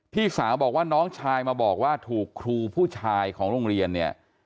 พี่สาวบอกว่าน้องชายมาบอกว่าถูกครูผู้ชายของโรงเรียนเนี่ย